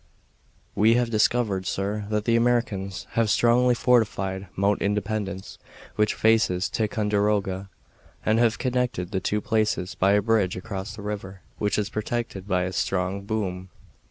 "We have discovered, sir, that the Americans have strongly fortified Mount Independence, which faces Ticonderoga, and have connected the two places by a bridge across the river, which is protected by a strong boom.